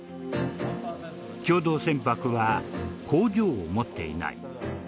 共同船舶は工場を持っていない。